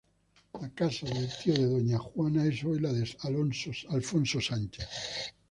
La casa del tío de Doña Juana es hoy la de Alfonso Sánchez.